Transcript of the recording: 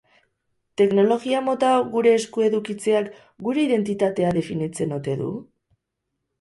Teknologia mota hau gure esku edukitzeak gure identitatea definitzen ote du?